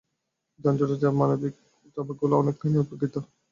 যানজটের চাপে মানবিক আবেগগুলো অনেকখানি উপেক্ষিত।